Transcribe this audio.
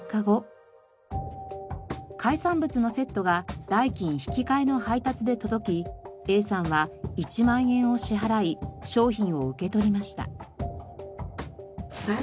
海産物のセットが代金引換の配達で届きＡさんは１万円を支払い商品を受け取りました。